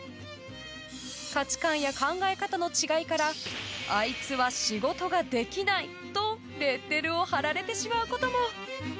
価値観や考え方の違いからあいつは仕事ができないとレッテルを貼られてしまうことも。